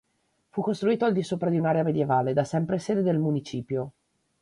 Fu costruito al di sopra di un'area medievale, da sempre sede del Municipio.